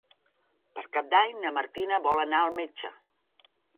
Per Cap d'Any na Martina vol anar al metge.